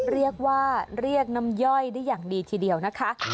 เรียกว่าเรียกน้ำย่อยได้อย่างดีทีเดียวนะคะ